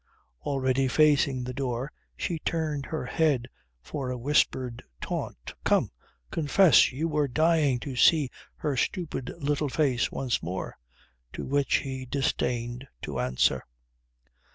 Already facing the door she turned her head for a whispered taunt: "Come! Confess you were dying to see her stupid little face once more," to which he disdained to answer.